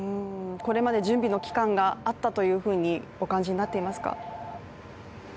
これまで準備の期間があったというふうにお感じになっていますか。